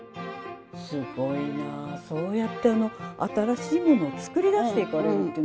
すごいなぁそうやって新しいものを作り出していかれるっていう。